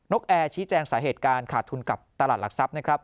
กแอร์ชี้แจงสาเหตุการขาดทุนกับตลาดหลักทรัพย์นะครับ